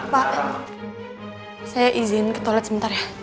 pak saya izin ke toilet sebentar ya